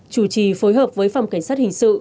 chủ trì phối hợp với phòng cảnh sát hình sự